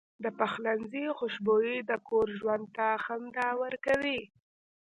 د پخلنځي خوشبويي د کور ژوند ته خندا ورکوي.